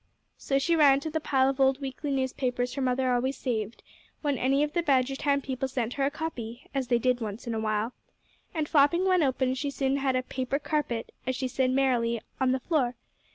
So she ran to the pile of old weekly newspapers her mother always saved, when any of the Badgertown people sent her a copy, as they did once in a while, and flapping one open, she soon had a "paper carpet," as she said merrily, on the floor.